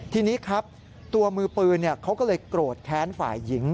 ทีนี้ครับตัวมือปืนเขาก็เลยโกรธแค้นฝ่ายหญิง